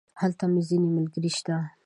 هلته مې ځينې ملګري شته.